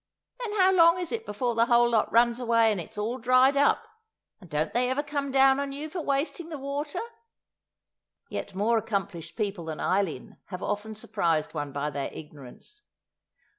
Then how long is it before the whole lot runs away and it's all dried up? And don't they ever come down on you for wasting the water?" Yet more accomplished people than Eileen have often surprised one by their ignorance.